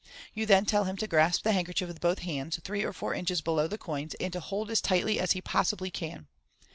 You then tell him to grasp the handkerchief with both hands three or four inches below the coins, and to hold as tightly as he possibly can.